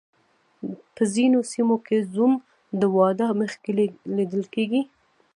په ځینو سیمو کې زوم د واده مخکې لیدل کیږي.